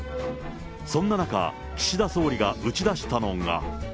そんな中、岸田総理が打ち出したのが。